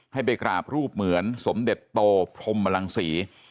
ให้ไปกราบรูปเหมือนสมเด็จโตพรมลังศรี